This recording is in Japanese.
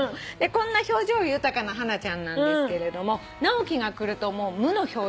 こんな表情豊かなハナちゃんなんですけれども直樹が来るともう無の表情になっちゃう。